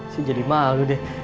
saya jadi malu deh